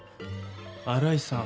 新井さん？